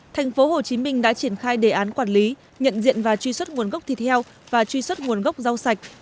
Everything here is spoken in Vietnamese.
thành phố hồ chí minh đã triển khai đề án quản lý nhận diện và truy xuất nguồn gốc thịt heo và truy xuất nguồn gốc rau sạch